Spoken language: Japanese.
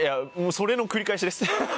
それの繰り返しです。